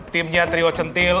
timnya trio centil